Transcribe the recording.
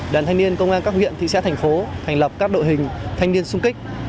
đoàn thanh niên công an các huyện thị xã thành phố thành lập các đội hình thanh niên sung kích